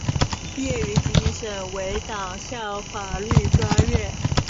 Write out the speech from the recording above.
毕业于吉林省委党校法律专业。